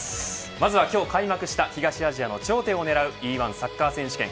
まずは今日開幕した東アジアの頂点を狙うＥ‐１サッカー選手権。